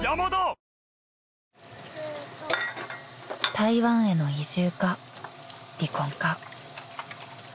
［台湾への移住か離婚か］